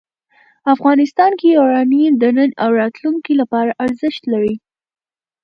افغانستان کې یورانیم د نن او راتلونکي لپاره ارزښت لري.